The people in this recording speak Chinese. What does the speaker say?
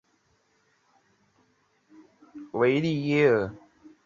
叙伊兹河畔维利耶尔。